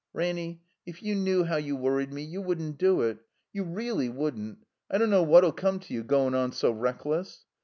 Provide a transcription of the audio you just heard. "Ranny, if you knew how you worried me, you wouldn't do it. You reelly wouldn't. I don't know what '11 come to you, goin' on so reckless."